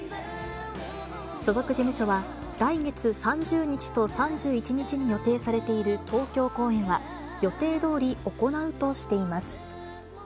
所属事務所は、来月３０日と３１日に予定されている東京公演は、予定どおり行うとしています。